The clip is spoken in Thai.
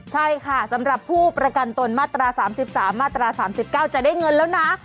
ใช่ค่ะสำหรับผู้ประกันตนมาตรา๓๓มาตรา๓๙จะได้เงินแล้วนะ